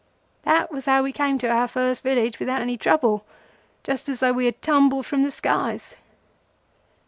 That was how we came to our first village, without any trouble, just as though we had tumbled from the skies.